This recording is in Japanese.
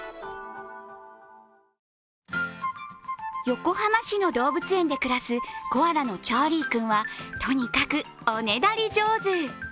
横浜市の動物園で暮らすコアラのチャーリー君はとにかくおねだり上手。